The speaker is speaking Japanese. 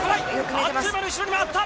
あっという間に後ろに回った。